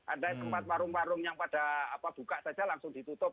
ada tempat warung warung yang pada buka saja langsung ditutup